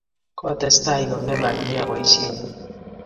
Kokotestai ko ng'emak nea poisyennyi.